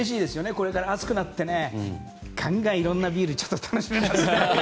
これから暑くなってガンガン、いろんなビールを楽しみたいですね。